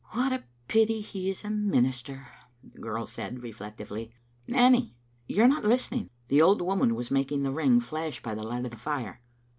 "What a pity he is a minister!" the girl said, reflec tively. " Nanny, you are not listening. " The old woman was making the ring flash by the light of the fire.